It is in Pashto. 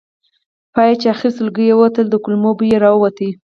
بیا چې آخري سلګۍ یې وتله د کولمو بوی یې راووت.